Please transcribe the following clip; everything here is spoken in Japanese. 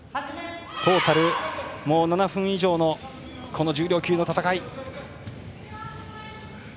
トータルもう７分以上のこの重量級の戦い。